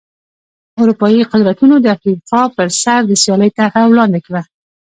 اروپايي قدرتونو د افریقا پر سر د سیالۍ طرحه وړاندې کړه.